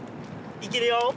いけるよ。